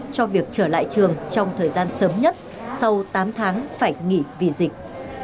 cho việc trở lại trường trong thời gian sớm nhất sau tám tháng phải nghỉ vì dịch